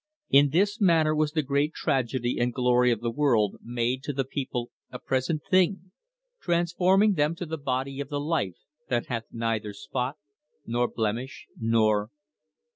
In this manner was the great tragedy and glory of the world made to the people a present thing, transforming them to the body of the Life that hath neither spot nor blemish nor..."